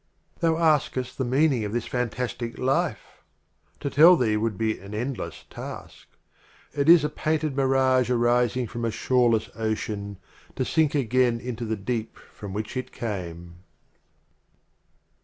Thou askest the Meaning of this ™* Literal Fantastic Life? — To tell thee that would be an End less Task. It is a Painted Mirage arising from a Shoreless Ocean, To sink again into the Deep from which it came.